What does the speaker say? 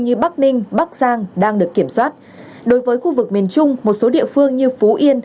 như bắc ninh bắc giang đang được kiểm soát đối với khu vực miền trung một số địa phương như phú yên